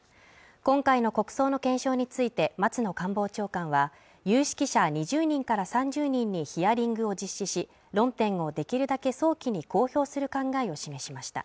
今回の国葬の検証について松野官房長官は有識者２０人から３０人にヒアリングを実施し論点をできるだけ早期に公表する考えを示しました